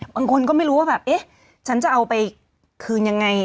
บางคนก็ไม่รู้ว่าแบบเอ๊ะฉันจะเอาไปคืนยังไง